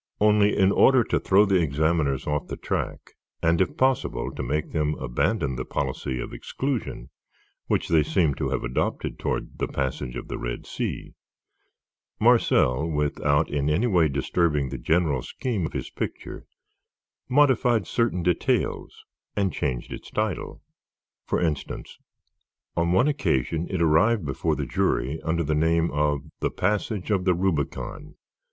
Only, in order to throw the examiners off the track and if possible to make them abandon the policy of exclusion which they seemed to have adopted toward the "Passage of the Red Sea," Marcel, without in any way disturbing the general scheme of his picture, modified certain details and changed its title. For instance, on one occasion it arrived before the jury under the name of the "Passage of the Rubicon!"